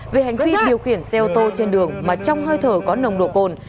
về hành vi điều khiển xe ô tô trên đường mà trong hơi thở có nồng độ cồn